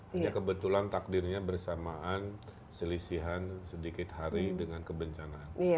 hanya kebetulan takdirnya bersamaan selisihan sedikit hari dengan kebencanaan